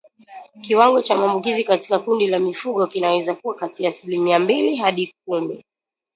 Kiwango cha maambukizi katika kundi la mifugo kinaweza kuwa kati ya asilimia mbili hadi kumi